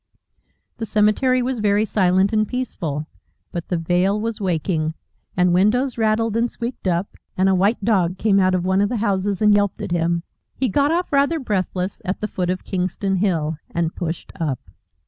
The cemetery was very silent and peaceful, but the Vale was waking, and windows rattled and squeaked up, and a white dog came out of one of the houses and yelped at him. He got off, rather breathless, at the foot of Kingston Hill, and pushed up.